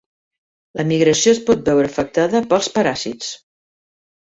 La migració es pot veure afectada pels paràsits.